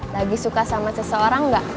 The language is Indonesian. lagi suka sama seseorang nggak